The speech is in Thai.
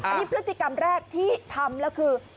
อันนี้พฤติกรรมแรกที่ทำแล้วคือ